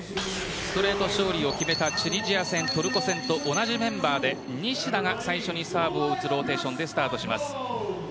ストレート勝利を決めたチュニジア戦、トルコ戦と同じメンバーで西田が最初にサーブを打つローテーションでスタートします。